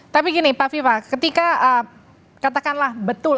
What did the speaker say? tapi gini pak viva ketika katakanlah betul